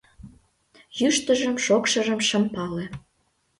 Йӱштыжым-шокшыжым шым пале.